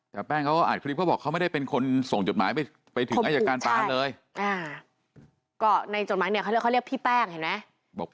แต่แป้งอาจภีพเท่าที่เขาไปด้วยคลิปเค้าไม่ได้เป็นคน